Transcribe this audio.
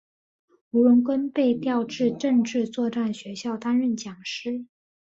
吴荣根被调至政治作战学校担任讲师。